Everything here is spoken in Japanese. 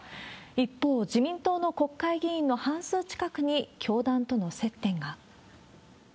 一方、自民党の国会議員の半数近くに教団との接点が。